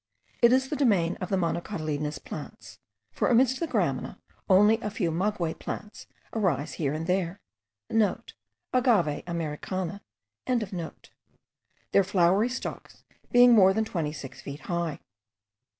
It is the domain of the monocotyledonous plants; for amidst the gramina only a few Maguey* plants rise here and there (* Agave Americana.); their flowery stalks being more than twenty six feet high.